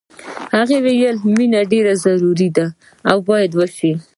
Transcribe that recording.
هغه وایی مینه ډېره ضروري ده او باید وشي